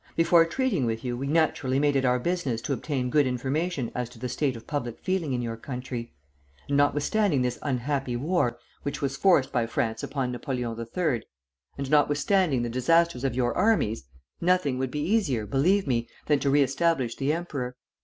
Before treating with you, we naturally made it our business to obtain good information as to the state of public feeling in your country; and notwithstanding this unhappy war, which was forced by France upon Napoleon III., and notwithstanding the disasters of your armies, nothing would be easier, believe me, than to re establish the emperor.